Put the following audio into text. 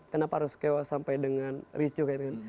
kenapa harus kewas sampai dengan ricu